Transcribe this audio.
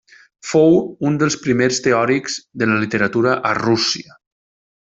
Fou un dels primers teòrics de la literatura a Rússia.